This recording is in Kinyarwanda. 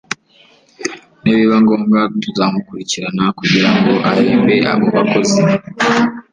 nibiba ngombwa tuzamukurikirana kugira ngo ahembe abo bakozi